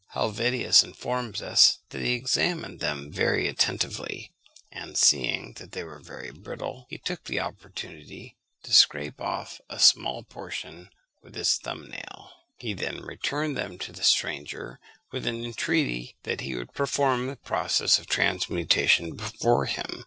Helvetius informs us, that he examined them very attentively; and seeing that they were very brittle, he took the opportunity to scrape off a small portion with his thumb nail. He then returned them to the stranger, with an entreaty that he would perform the process of transmutation before him.